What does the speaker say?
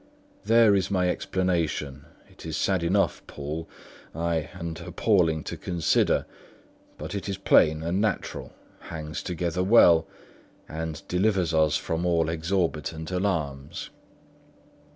There is my explanation; it is sad enough, Poole, ay, and appalling to consider; but it is plain and natural, hangs well together, and delivers us from all exorbitant alarms."